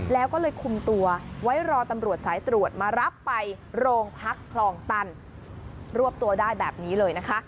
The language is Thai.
แล้วก็เลยคุมตัวไว้รอตำรวจสายตรวจมารับไปโรงพักคลองตันรวบตัวได้แบบนี้เลยนะคะ